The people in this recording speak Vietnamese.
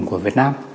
của việt nam